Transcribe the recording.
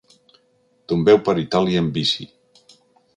Tombeu per Itàlia en bici.